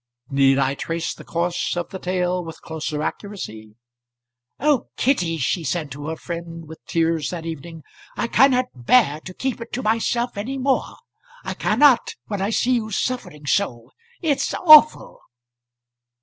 Need I trace the course of the tale with closer accuracy? "Oh, Kitty," she had said to her friend with tears that evening "I cannot bear to keep it to myself any more! I cannot when I see you suffering so. It's awful."